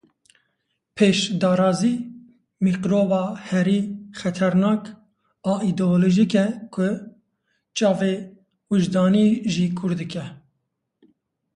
Pêşdarazî, mîkroba herî xeternak a îdeolojîk e ku çavê wijdanî jî kor dike.